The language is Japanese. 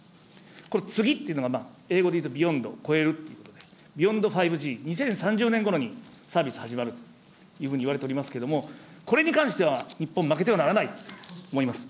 これ、次というのが、英語で言うと、Ｂｅｙｏｎｄ、こえるって意味で、Ｂｅｙｏｎｄ５Ｇ、２０３０年ごろにサービス始まるというふうにいわれておりますけれども、これに関しては、日本、負けてはならないと思います。